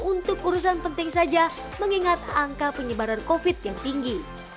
untuk urusan penting saja mengingat angka penyebaran covid yang tinggi